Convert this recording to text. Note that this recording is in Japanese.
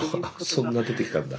そんな出てきたんだ。